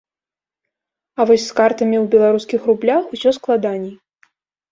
А вось з картамі ў беларускіх рублях усё складаней.